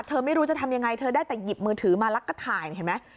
ไม่รู้จะทำยังไงเธอได้แต่หยิบมือถือมาแล้วก็ถ่ายเห็นไหม